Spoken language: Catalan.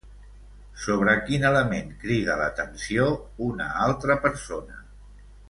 Sobre quin element crida l'atenció una altra persona?